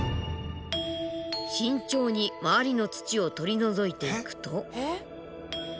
慎重に周りの土を取り除いていくと。